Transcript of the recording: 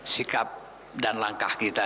sikap dan langkah kita